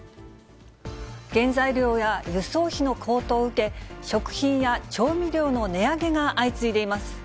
原材料や輸送費の高騰を受け、食品や調味料の値上げが相次いでいます。